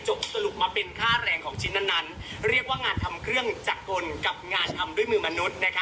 สรุปมาเป็นค่าแรงของชิ้นนั้นเรียกว่างานทำเครื่องจักรกลกับงานทำด้วยมือมนุษย์นะคะ